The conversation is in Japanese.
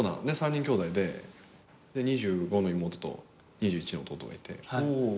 ３人きょうだいで２５の妹と２１の弟がいて。